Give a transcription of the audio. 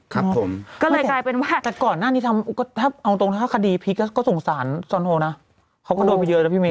ครับผมก็เลยกลายเป็นว่าก็เอาตรงถ้าคดีพีคก็สงสารซอนโฮนะเขาก็โดนไปเยอะแล้วพี่เมย์